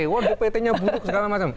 waduh dpt nya butuh segala macam